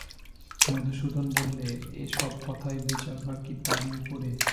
মধুসূদন বললে, এ-সব কথার বিচারভার কি তারই উপরে?